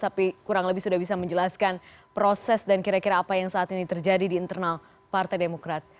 tapi kurang lebih sudah bisa menjelaskan proses dan kira kira apa yang saat ini terjadi di internal partai demokrat